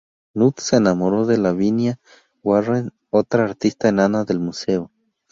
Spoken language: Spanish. Nutt se enamoró de Lavinia Warren, otra artista enana del Museo.